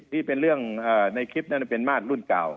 ที่เป็นเรื่องในคลิปนั้นเป็นมาตรรุ่นเก่า